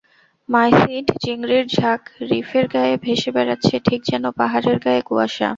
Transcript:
মাইসিড চিংড়ির ঝাঁক রীফের গায়ে ভেসে বেড়াচ্ছে ঠিক যেন পাহাড়ের গায়ে কুয়াসা।